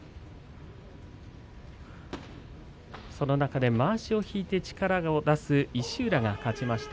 その中で、まわしを引いて力を出す石浦が勝ちました。